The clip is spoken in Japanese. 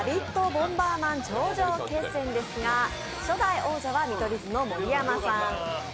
ボンバーマン頂上決戦」ですが、初代王者は見取り図の盛山さん。